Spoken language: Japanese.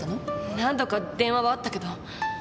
何度か電話はあったけど。